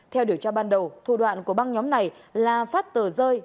theo điều tra ban đầu thủ đoạn của băng nhóm này là phát tờ rơi